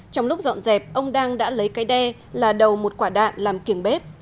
trong lúc dọn dẹp ông đang đã lấy cái đe là đầu một quả đạn làm kiềng bếp